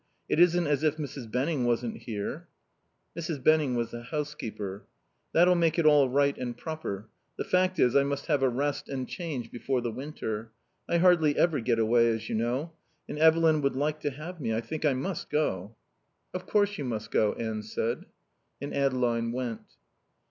"It isn't as if Mrs. Benning wasn't here." Mrs. Benning was the housekeeper. "That'll make it all right and proper. The fact is, I must have a rest and change before the winter. I hardly ever get away, as you know. And Evelyn would like to have me. I think I must go." "Of course you must go," Anne said. And Adeline went.